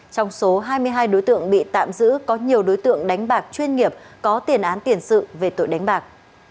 trong số hai mươi hai đối tượng bị tạm giữ có nhiều đối tượng đánh bạc chuyên nghiệp có tiền án tiền sự về tội đánh bạc